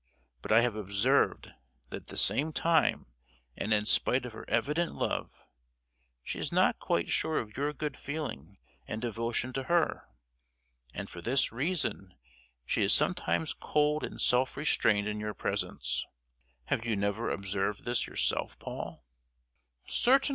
But I have observed that at the same time, and in spite of her evident love, she is not quite sure of your good feeling and devotion to her; and for this reason she is sometimes cold and self restrained in your presence. Have you never observed this yourself, Paul?"